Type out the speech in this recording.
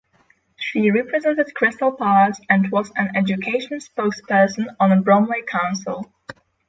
She represented Crystal Palace and was an education spokesperson on Bromley Council.